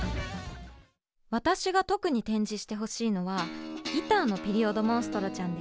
私が特に展示してほしいのはギターのピリオドモンストロちゃんです。